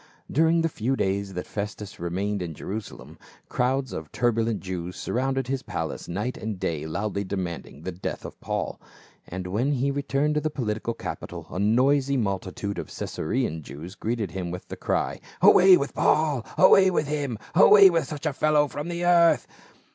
"* During the few days that Festus remained in Jerusalem, crowds of turbulent Jews surrounded his palace night and day loudly demanding the death of Paul. And when he returned to the political capitol a noisy multitude of Caesarean Jews greeted him with the cry, "Away with Paul ! Away with him ! Away with such a fellow from the earth